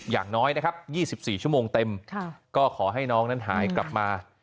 อย่างน้อยนะครับ๒๔ชั่วโมงเต็มก็ขอให้น้องนั้นหายกลับมา